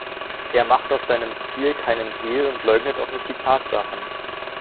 Er macht aus seinem Ziel keinen Hehl und leugnet auch nicht die Tatsachen.